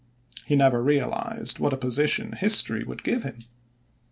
He never realized what a position history would give him.